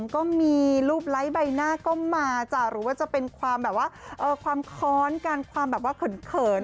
กันความแบบว่าความค้อนกันความแบบว่าเขิน